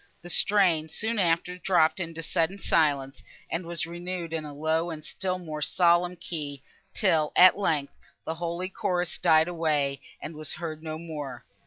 The strain, soon after, dropped into sudden silence, and was renewed in a low and still more solemn key, till, at length, the holy chorus died away, and was heard no more.